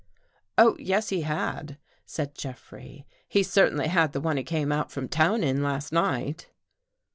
" Oh, yes, he had," said Jeffrey. " He certainly had the one he came out from town in last night."